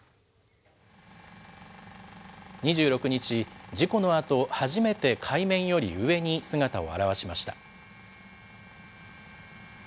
２６日、事故のあと、初めて海面より上に姿を現しました。